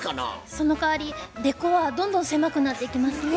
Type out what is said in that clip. そのかわりデコはどんどん狭くなっていきますね。